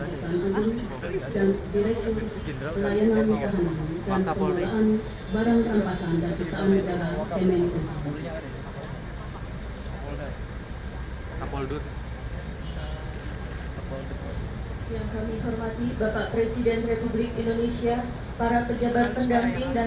penyidik dan masyarakat sekempat